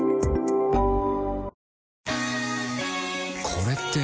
これって。